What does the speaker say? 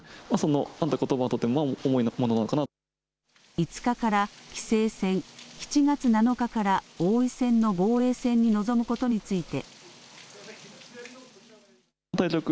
５日から棋聖戦、７月７日から王位戦の防衛戦に臨むことについて。